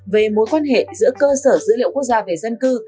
về mối quan hệ giữa cơ sở dữ liệu quốc gia về dân cư